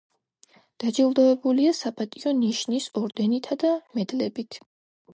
დაჯილდოებულია „საპატიო ნიშნის“ ორდენითა და მედლებით.